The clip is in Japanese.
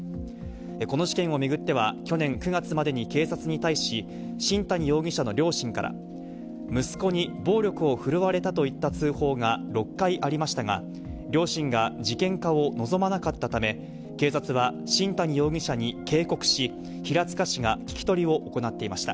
この事件を巡っては、去年９月までに警察に対し、新谷容疑者の両親から、息子に暴力を振るわれたといった通報が６回ありましたが、両親が事件化を望まなかったため、警察は新谷容疑者に警告し、平塚市が聞き取りを行っていました。